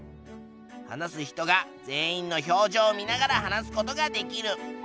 話す人が全員の表情を見ながら話すことができる。